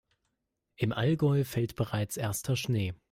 Im Allgäu fällt bereits erster Schnee.